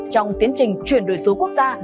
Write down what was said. trong tiến trình truyền đổi số quốc gia